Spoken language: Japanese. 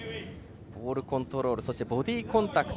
ボールコントロールそしてボディーコンタクト。